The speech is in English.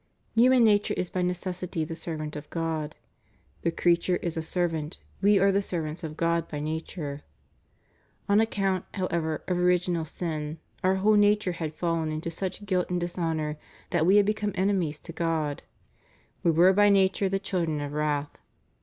* Human nature is by necessity the servant of God: "The creature is a servant, we are the servants of God by nature." ' On account, however, of original sin, our whole nature had fallen into such guilt and dishonor that we had become enemies to God. We were by nature the children of wrath.''